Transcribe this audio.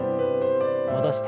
戻して。